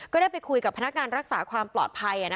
ได้ไปคุยกับพนักงานรักษาความปลอดภัย